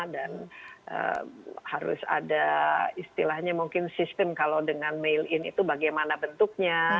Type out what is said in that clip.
dan harus ada istilahnya mungkin sistem kalau dengan mail in itu bagaimana bentuknya